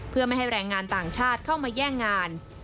เพื่อไม่ให้แรงงานต่างชาติเข้ามาแย่งงาน